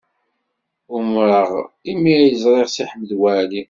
Umreɣ imi ay ẓriɣ Si Ḥmed Waɛli.